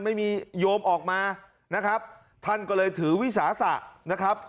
โยมออกมานะครับท่านก็เลยถือวิสาสะนะครับ